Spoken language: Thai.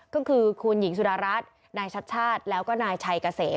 ก็คือคุณหญิงสุดารัฐนายชัดชาติแล้วก็นายชัยเกษม